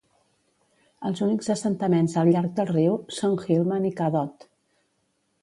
Els únics assentaments al llarg del riu són Gilman i Cadott.